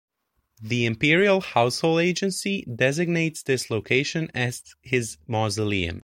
The Imperial Household Agency designates this location as his mausoleum.